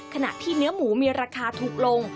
ขณะที่เนื้อหมูมีราคาถูกลง